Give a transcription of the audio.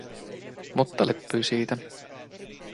Mutta leppyi siitä.